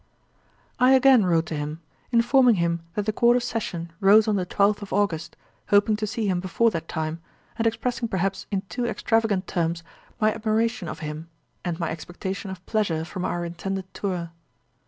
I again wrote to him, informing him that the Court of Session rose on the twelfth of August, hoping to see him before that time, and expressing perhaps in too extravagant terms, my admiration of him, and my expectation of pleasure from our intended tour.